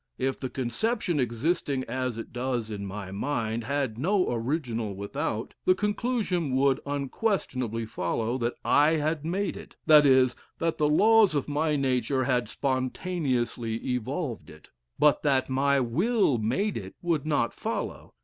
If the conception, existing as it does in my mind, had no original without, the conclusion would unquestionably follow that '1' had made it that is, that the laws of my nature had spontaneously evolved it; but that my will made it would not follow.